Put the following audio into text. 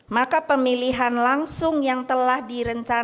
maka pemilihan langsung yang telah direncanakan